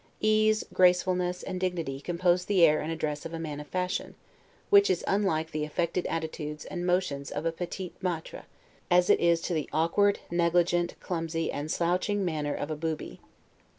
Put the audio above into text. Ease, gracefulness, and dignity, compose the air and address of a man of fashion; which is as unlike the affected attitudes and motions of a 'petit maitre', as it is to the awkward, negligent, clumsy, and slouching manner of a booby.